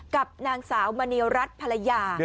กับนางสาวมณีรัฐภรรยา